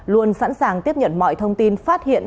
luôn sẵn sàng tiếp nhận mọi thông tin phát hiện